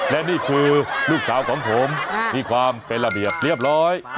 และนี่คือลูกสาวของผมมีความเป็นระเบียบเรียบร้อย